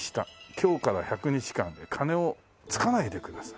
「今日から１００日間鐘をつかないで下さい」